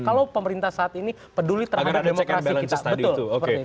kalau pemerintah saat ini peduli terhadap demokrasi kita